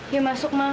ya masuk ma